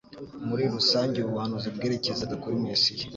Muri rusange ubu buhanuzi bwerekezaga kuri Mesiya;